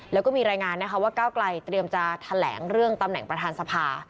แล้วก็มีรายงานนะคะว่าก้าวไกลเตรียมจะแถลงเรื่องตำแหน่งประธานสภา